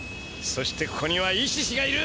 そしてここにはイシシがいる！